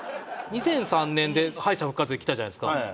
２００３年で敗者復活で来たじゃないですか。